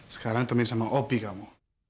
sekarang temenin sama opi kamu